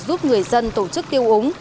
giúp người dân tổ chức tiêu úng